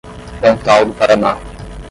Pontal do Paraná